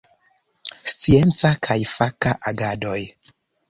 Scienca kaj faka agadoj.